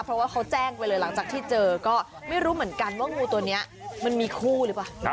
เพราะว่าเขาแจ้งไปเลยหลังจากที่เจอก็ไม่รู้เหมือนกันว่างูตัวนี้มันมีคู่หรือเปล่า